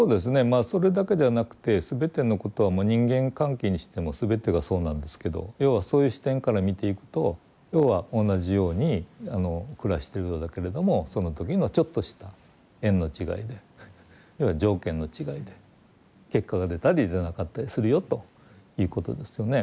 まあそれだけではなくて全てのことはもう人間関係にしても全てがそうなんですけど要はそういう視点から見ていくと要は同じように暮らしてるようだけれどもその時のちょっとした縁の違いで要は条件の違いで結果が出たり出なかったりするよということですよね。